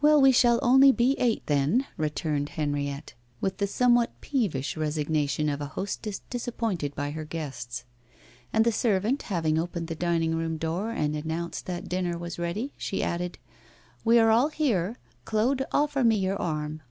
'Well, we shall only be eight, then,' resumed Henriette, with the somewhat peevish resignation of a hostess disappointed by her guests. And the servant having opened the dining room door and announced that dinner was ready, she added: 'We are all here. Claude, offer me your arm.